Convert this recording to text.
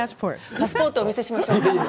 パスポートをお見せしましょうか。